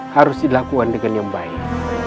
harus dilakukan dengan yang baik